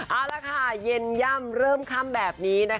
เอ้าแล้วค่ะเย็นย่ำเริ่มคำแบบนี้